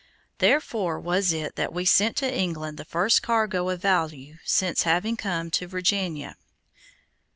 Therefore was it that we sent to England the first cargo of value since having come to Virginia.